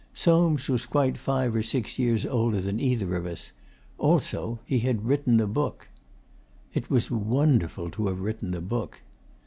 Soames was quite five or six years older than either of us. Also, he had written a book. It was wonderful to have written a book.